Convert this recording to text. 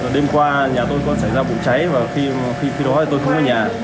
đêm qua nhà tôi có xảy ra bụng cháy và khi đó tôi không ở nhà